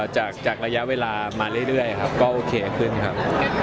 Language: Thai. จากระยะเวลามาเรื่อยครับก็โอเคขึ้นครับ